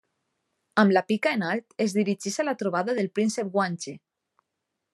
Amb la pica en alt es dirigeix a la trobada del príncep guanxe.